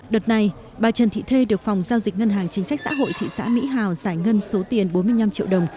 đợt này bà trần thị thê được phòng giao dịch ngân hàng chính sách xã hội thị xã mỹ hào giải ngân số tiền bốn mươi năm triệu đồng